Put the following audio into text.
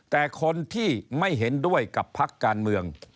แต่คนที่ไม่เห็นด้วยกับพักการเมือง